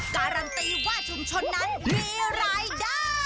การันตีว่าชุมชนนั้นมีรายได้